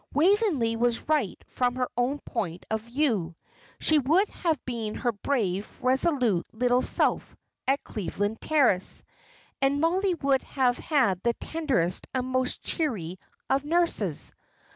Waveney was right from her own point of view. She would have been her brave, resolute little self at Cleveland Terrace, and Mollie would have had the tenderest and most cheery of nurses.